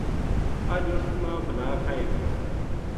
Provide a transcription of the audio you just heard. اج اس نا بلا کھائے گی‘‘